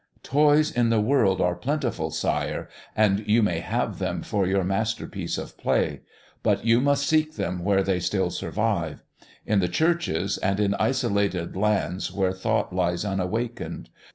"Toys in the world are plentiful, Sire, and you may have them for your masterpiece of play. But you must seek them where they still survive; in the churches, and in isolated lands where thought lies unawakened.